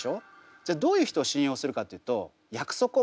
じゃあどういう人を信用するかというと約束を守る人なんです。